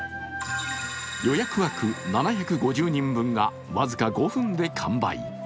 予約枠７５０人分が僅か５分で完売。